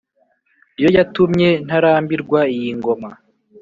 yo yatumye ntarambirwa iyi ngoma.